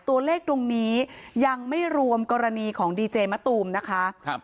ตัวเลขตรงนี้ยังไม่รวมกรณีของดีเจมะตูมนะคะครับ